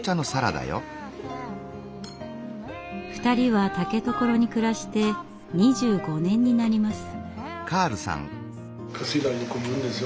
２人は竹所に暮らして２５年になります。